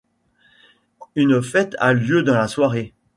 Une fête a lieu dans la soirée.